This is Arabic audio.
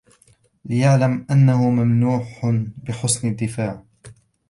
لِيَعْلَمَ أَنَّهُ مَمْنُوحٌ بِحُسْنِ الدِّفَاعِ